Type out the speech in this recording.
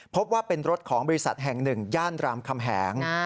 พบว่าเป็นรถของบริษัทแห่งหนึ่งย่านรามคำแหง